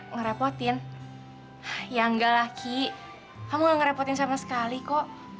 ngerepotin ya enggak lah ki kamu gak ngerepotin sama sekali kok